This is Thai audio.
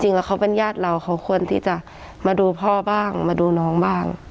จริงแล้วเขาเป็นญาติเราเขาควรที่จะมาดูพ่อบ้างมาดูน้องบ้าง